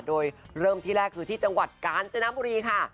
โดยเริ่มที่แรกคือที่จังหวัดกาญจนบุรีค่ะ